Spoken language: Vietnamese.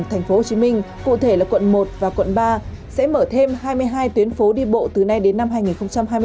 thành phố hồ chí minh cụ thể là quận một và quận ba sẽ mở thêm hai mươi hai tuyến phố đi bộ từ nay đến năm hai nghìn hai mươi năm